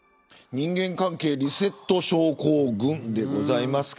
人間関係リセット症候群です。